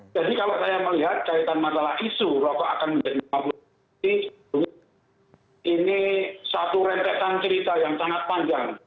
jadi kalau saya melihat kaitan masalah isu rokok akan menjadi rp lima puluh ini satu rentetan cerita yang sangat panjang